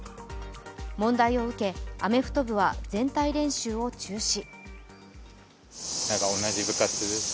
問題を受けアメフト部は全体練習を中止。